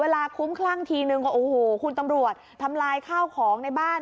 คุ้มคลั่งทีนึงก็โอ้โหคุณตำรวจทำลายข้าวของในบ้าน